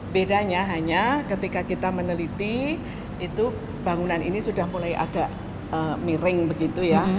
bedanya hanya ketika kita meneliti itu bangunan ini sudah mulai agak miring begitu ya